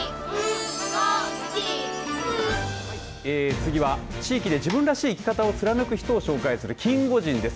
次は地域で自分らしい生き方を貫く人を紹介するキンゴジンです。